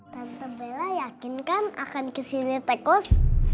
tante bella yakinkan akan kesini tekus